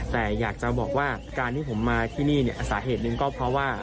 แต่อยากจะบอกว่าการที่ผมมาที่นี่เนี่ยสาเหตุหนึ่งก็เพราะว่า